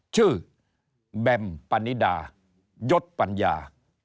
ชื่อแบมปันนิดายศปัญญา